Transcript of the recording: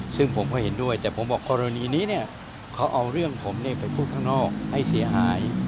ซึ่งผมก็เห็นด้วยแต่ผมบอกกรณีนี้เขาเอาเรื่องผมไปพูดข้างนอกให้เสียหาย